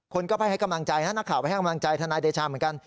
คนก็ไปให้กำลังใจนะนักข่าวไปให้กำลังใจทนายเดชาเหมือนกัน